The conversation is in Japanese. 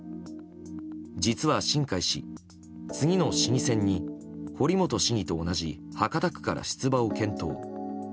実は新開氏、次の市議選に堀本市議と同じ博多区から出馬を検討。